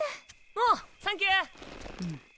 おうサンキュ。